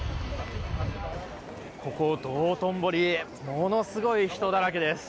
ここ道頓堀ものすごい人だらけです。